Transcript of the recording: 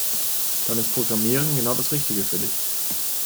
Dann ist Programmieren genau das Richtige für dich.